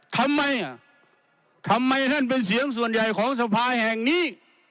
ทำไมอ่ะทำไมท่านเป็นเสียงส่วนใหญ่ของสภาแห่งนี้